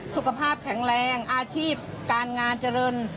สุขภาพแข็งแรงอาชีพการงานเจริญ